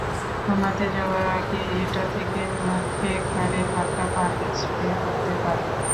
ঘুমাতে যাওয়ার আগে এটা থেকে মুখে-ঘাড়ে হালকা পানি স্প্রে করতে পারেন।